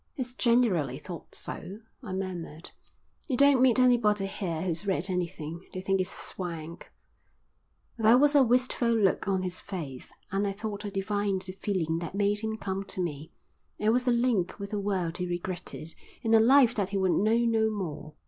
"It's generally thought so," I murmured. "You don't meet anybody here who's read anything. They think it's swank." There was a wistful look on his face, and I thought I divined the feeling that made him come to me. I was a link with the world he regretted and a life that he would know no more.